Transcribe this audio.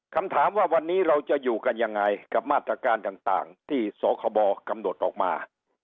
คำถามว่าวันนี้เราจะอยู่กันยังไงกับมาตรการต่างที่สคบกำหนดออกมา